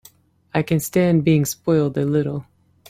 I can stand being spoiled a little.